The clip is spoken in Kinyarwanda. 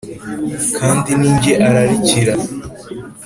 kandi ni jye ararikira.